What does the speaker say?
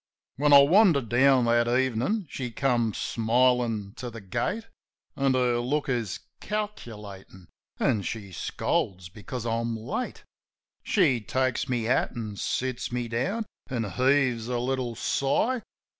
When I wander down that evenin', she come smilin' to the gate, An' her look is calculatin', as she scolds because I'm late. She takes my hat an' sits me down an' heaves a little sigh.